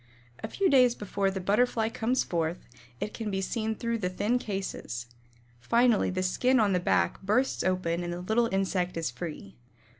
A few days before the Butterfly comes forth, it can be seen through the thin cases. Finally the skin on the back bursts open and the little insect is free.